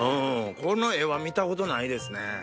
この画は見たことないですね。